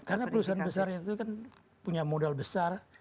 karena perusahaan besar itu kan punya modal besar